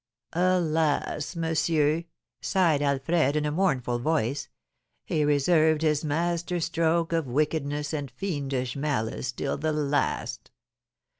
"Alas, monsieur," sighed Alfred, in a mournful voice, "he reserved his master stroke of wickedness and fiendish malice till the last.